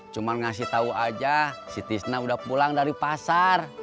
cuma ngasih tahu aja si tisna udah pulang dari pasar